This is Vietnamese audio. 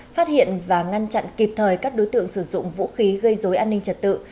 phát hiện và ngăn chặn kịp thời các đối tượng sử dụng vũ khí gây dối an ninh trật tự